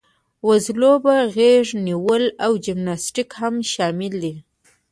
وزلوبه، غېږه نیول او جمناسټیک هم شامل دي.